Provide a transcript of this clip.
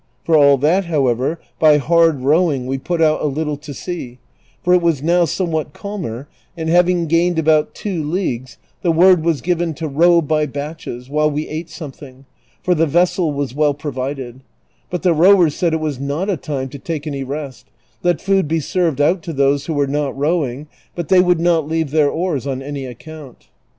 For all that, however, by hard row ino" we put out a little to sea, for it was now somewhat calmer, and ]ia° ing gained about two leagues the word was given to row by batches, while we ate something, for the vessel was well provided; but the rowers said it was not a time to take any rest ; let food be served out to those who were not rowing, but they would not leave their oars on any account.